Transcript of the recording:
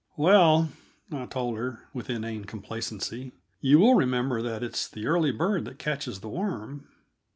"Well," I told her with inane complacency, "you will remember that 'it's the early bird that catches the worm.'"